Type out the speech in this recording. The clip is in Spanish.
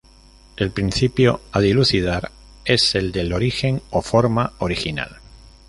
El "principio" a dilucidar es el del origen o forma original.